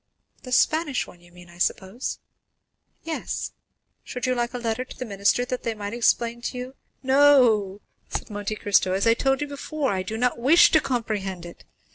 "The Spanish one, you mean, I suppose?" "Yes; should you like a letter to the minister that they might explain to you——" "No," said Monte Cristo; "since, as I told you before, I do not wish to comprehend it.